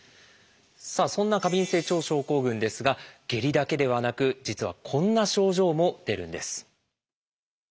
さあそんな過敏性腸症候群ですが下痢だけではなく実はこんな症状も出るんです。